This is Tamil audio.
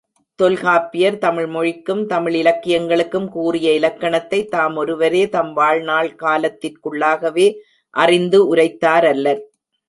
தொல்காப்பியர், தமிழ் மொழிக்கும் தமிழ் இலக்கியங்களுக்கும் கூறிய இலக்கணத்தைத் தாம் ஒருவரே, தம் வாழ்நாள் காலத்திற்குள்ளாகவே அறிந்து உரைத்தாரல்லர்.